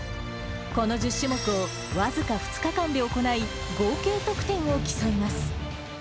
この１０種目を僅か２日間で行い、合計得点を競います。